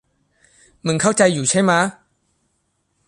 มึงเข้าใจอยู่ใช่มะ